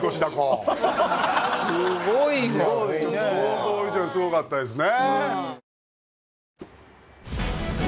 すごいね想像以上にすごかったですね